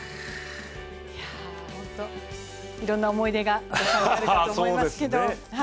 本当、いろんな思い出があると思いますけれども。